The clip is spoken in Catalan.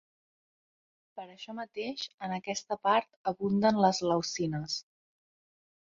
Per això mateix en aquesta part abunden les leucines.